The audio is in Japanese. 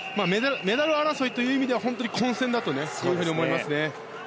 メダル争いという意味では本当に混戦だと思います。